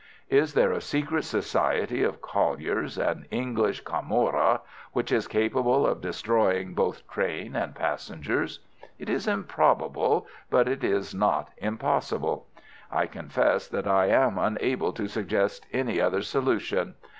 Is there a secret society of colliers, an English camorra, which is capable of destroying both train and passengers? It is improbable, but it is not impossible. I confess that I am unable to suggest any other solution.